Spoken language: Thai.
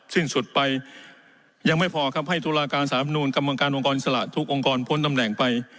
สิ้นสุดไปยังไม่พอครับให้ตุลาการสามนูลกรรมการองค์กรอิสระทุกองค์กรพ้นตำแหน่งไป